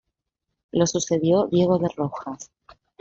Lo sucedió Diego de Rojas.